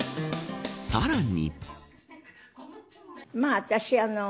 さらに。